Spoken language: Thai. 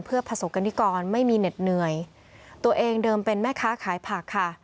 เพื่อประสบกรณิกรไม่มีเหน็ดเหนื่อยตัวเองเดิมเป็นแม่ค้าขายผักค่ะ